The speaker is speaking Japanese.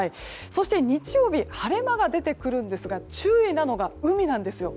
そして日曜日晴れ間が出てくるんですが注意なのが海なんですよ。